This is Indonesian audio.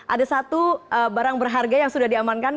ada satu barang berharga yang sudah diamankan